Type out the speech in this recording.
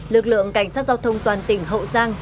lực lượng cảnh sát giao thông toàn tỉnh hậu giang